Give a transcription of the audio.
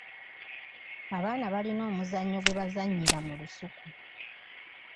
Abaana balina omuzannyo gwe bazannyira mu lusuku.